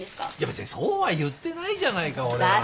別にそうは言ってないじゃないか俺は。